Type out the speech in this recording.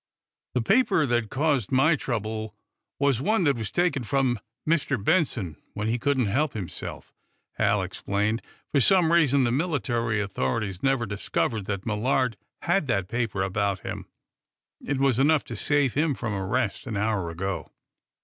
"The paper that caused my trouble was one that was taken from Mr. Benson when he couldn't help himself," Hal explained. "For some reason, the military authorities never discovered that Millard had that paper about him. It was enough to save him from arrest an hour ago."